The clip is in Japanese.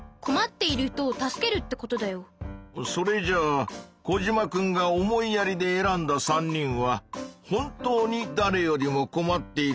それじゃあコジマくんが「思いやり」で選んだ３人は本当にだれよりもこまっている人たちなんだね？